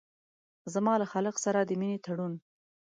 زما له خالق سره د مينې تړون